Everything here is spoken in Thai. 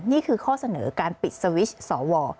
นี่คือข้อเสนอการปิดสวิชสว